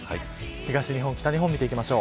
東日本、北日本です。